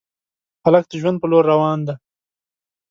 هلک د ژوند په لور روان دی.